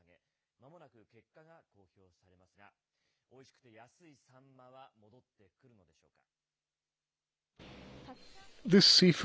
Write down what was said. まもなく結果が公表されますが、おいしくて安いサンマは戻ってくるのでしょうか。